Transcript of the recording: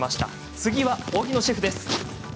次は荻野シェフです。